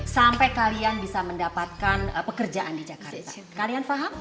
sampai kalian bisa mendapatkan pekerjaan di jakarta kalian paham